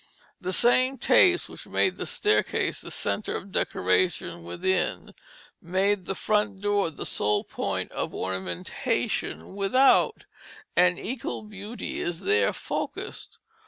The same taste which made the staircase the centre of decoration within, made the front door the sole point of ornamentation without; and equal beauty is there focused.